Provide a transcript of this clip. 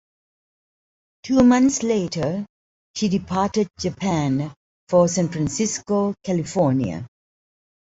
Two months later she departed Japan for San Francisco, Cali.